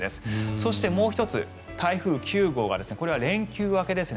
そしてもう１つ台風９号がこれは連休明けですね